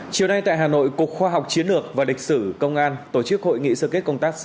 chiều nay tại hà nội cục khoa học chiến lược và lịch sử công an tổ chức hội nghị sơ kết công tác